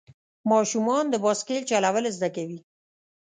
ماشومان د بایسکل چلول زده کوي.